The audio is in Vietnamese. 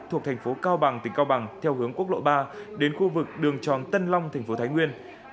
thuộc thành phố cao bằng tỉnh cao bằng theo hướng quốc lộ ba đến khu vực đường tròn tân long thành phố thái nguyên